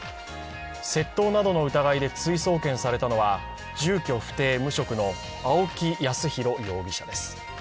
窃盗などの疑いで追送検されたのは、住居不定・無職の青木康弘容疑者です。